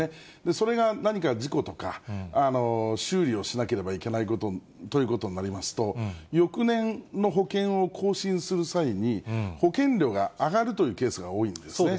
それが何か、事故とか、修理をしなければいけないということになりますと、翌年の保険を更新する際に、保険料が上がるというケースが多いんですね。